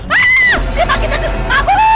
aaaaah dia panggil tadi kabur